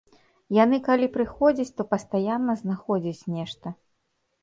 Яны калі прыходзяць, то пастаянна знаходзяць нешта.